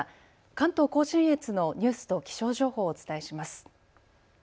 関東甲信越のニュースと気象情報をお伝えします。